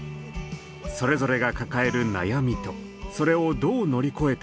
それぞれが抱える悩みとそれをどう乗り越えていくのか。